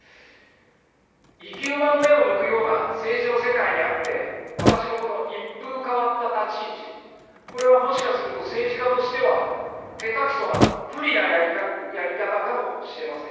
生き馬の目を抜くような政治の世界にあって、私のこの一風変わった立ち位置、これはもしかすると政治家としては、へたくそな、不利なやり方かもしれません。